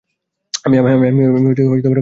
আমি কাউকেই ভরসা করি না।